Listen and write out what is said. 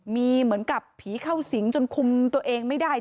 มีเหมือนกับผีเข้าสิงจนคุมตัวเองไม่ได้